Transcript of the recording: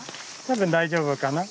多分大丈夫かな。